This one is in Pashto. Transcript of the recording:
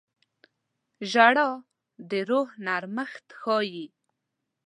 • ژړا د روح نرمښت ښيي.